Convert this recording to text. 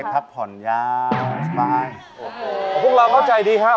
พักผ่อนยาวสบายโอ้โหพวกเราเข้าใจดีครับ